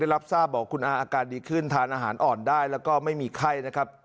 ได้รับทราบบอกว่าคุณอาศัยอาการดีขึ้นทานอาหารอ่อนได้แล้วก็ไม่มีไข้